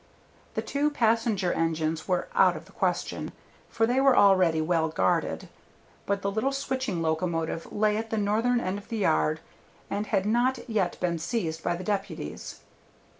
The two passenger engines were out of the question, for they were already well guarded, but the little switching locomotive lay at the northern end of the yard, and had not as yet been seized by the deputies.